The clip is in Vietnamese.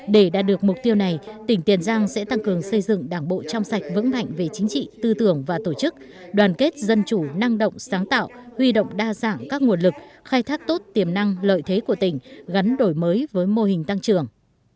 để đạt được mục tiêu này tỉnh tiền giang sẽ tăng cường xây dựng đảng bộ trong sạch vững mạnh về chính trị tư tưởng và tổ chức đoàn kết dân chủ năng động sáng tạo huy động đa dạng các nguồn lực khai thác tốt tiềm năng lợi thế của tỉnh gắn đổi mới với mô hình tăng trưởng